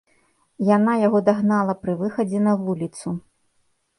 Яна яго дагнала пры выхадзе на вуліцу.